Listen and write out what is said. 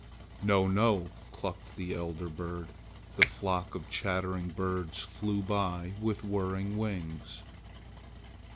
"No, no!" clucked the elder bird. The flock of chattering birds flew by with whirring wings.